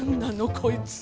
こいつ。